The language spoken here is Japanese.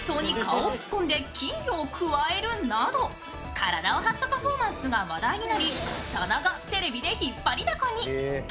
体を張ったパフォーマンスが話題になり、その後、テレビで引っ張りだこに。